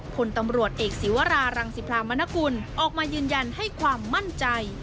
ผลตำรวจเอกศีวรารังสิพรามนกุลออกมายืนยันให้ความมั่นใจ